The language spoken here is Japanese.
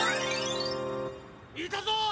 いたぞ！